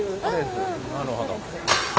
なるほど。